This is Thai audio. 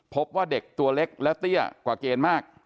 พบว่าเด็กตัวเล็กและเตี้ยกว่าเกณฑ์มาก